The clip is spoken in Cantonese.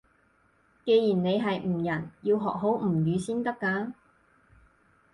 既然你係吳人，要學好吳語先得㗎